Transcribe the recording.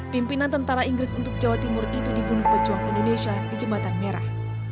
pimpinan tentara inggris untuk jawa timur itu dibunuh pejuang indonesia di jembatan merah